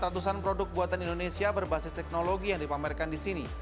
ada empat ratus an produk buatan indonesia berbasis teknologi yang dipamerkan di sini